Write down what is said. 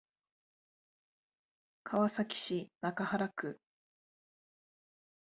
川崎市中原区